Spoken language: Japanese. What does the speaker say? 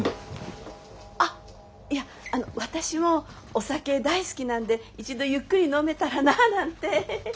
あっいやあの私もお酒大好きなんで一度ゆっくり飲めたらなぁなんて。